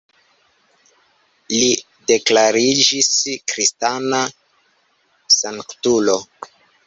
Li deklariĝis kristana sanktulo.